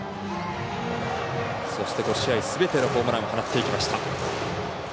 そして５試合すべてでホームランを放っていきました。